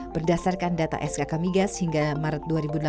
berdasarkan data skk migas hingga maret dua ribu delapan belas